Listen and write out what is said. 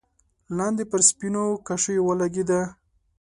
لاندې پر سپينو کاشيو ولګېده.